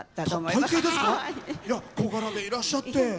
いや小柄でいらっしゃって。